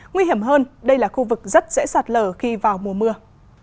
nguy hiểm hơn đây là khu vực rất dễ sạt lở khi vào mùa mưa